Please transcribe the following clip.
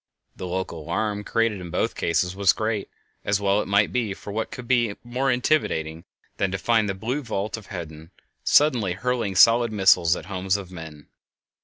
The local alarm created in both cases was great, as well it might be, for what could be more intimidating than to find the blue vault of heaven suddenly hurling solid missiles at the homes of men?